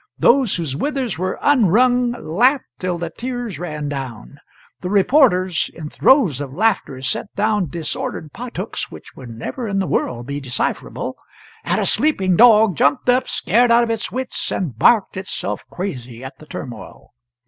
Those whose withers were unwrung laughed till the tears ran down; the reporters, in throes of laughter, set down disordered pot hooks which would never in the world be decipherable; and a sleeping dog jumped up scared out of its wits, and barked itself crazy at the turmoil.